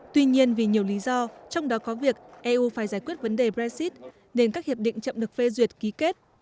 tuy nhiên vì nhiều lý do trong đó có việc eu phải giải quyết vấn đề brexit nên các hiệp định chậm được phê duyệt ký kết